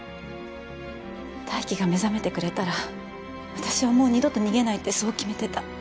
泰生が目覚めてくれたら私はもう二度と逃げないってそう決めてた。